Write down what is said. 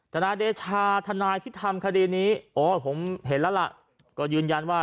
ทนายเดชาทนายที่ทำคดีนี้โอ้ยผมเห็นแล้วล่ะก็ยืนยันว่า